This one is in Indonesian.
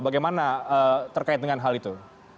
bagaimana terkait dengan hal itu